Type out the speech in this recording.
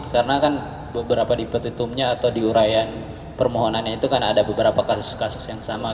karena kan beberapa di petutumnya atau di uraian permohonannya itu kan ada beberapa kasus kasus